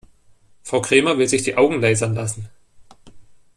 Frau Krämer will sich die Augen lasern lassen.